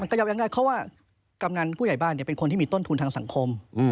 ก็ยับยั้งได้เพราะว่ากำนันผู้ใหญ่บ้านเป็นคนที่มีต้นทุนทางสังคม